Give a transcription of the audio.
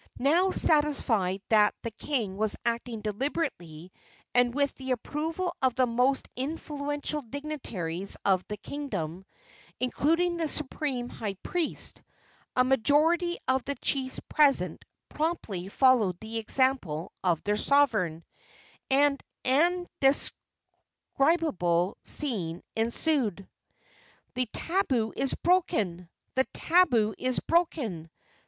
Now satisfied that the king was acting deliberately and with the approval of the most influential dignitaries of the kingdom, including the supreme high priest, a majority of the chiefs present promptly followed the example of their sovereign, and an indescribable scene ensued. "The tabu is broken! the tabu is broken!"